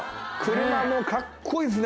車もかっこいいですね！